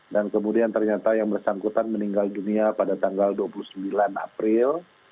dan kemudian ternyata yang bersangkutan meninggal dunia pada tanggal dua puluh sembilan april